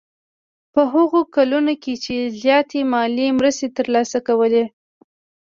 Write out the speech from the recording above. په هغو کلونو کې یې زیاتې مالي مرستې ترلاسه کولې.